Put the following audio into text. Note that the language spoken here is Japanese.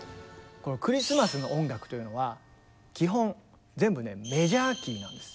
このクリスマスの音楽というのは基本全部ねメジャー・キーなんです。